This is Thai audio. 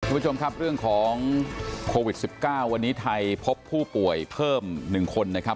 คุณผู้ชมครับเรื่องของโควิด๑๙วันนี้ไทยพบผู้ป่วยเพิ่ม๑คนนะครับ